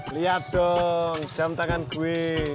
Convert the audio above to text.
lihat dong jam tangan gue